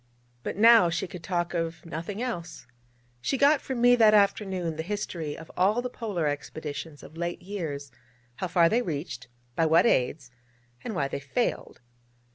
But now she could talk of nothing else. She got from me that afternoon the history of all the Polar expeditions of late years, how far they reached, by what aids, and why they failed.